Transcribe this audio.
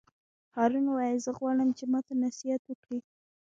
هارون وویل: زه غواړم چې ماته نصیحت وکړې.